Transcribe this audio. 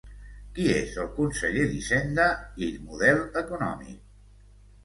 Qui és el conseller d'Hisenda i Model Econòmic?